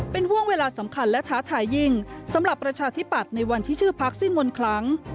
เป็นห่วงเวลาสำคัญและท้าทายยิ่งสำหรับประชาธิปัตย์ในวันที่ชื่อพักสิ้นมนต์ครั้ง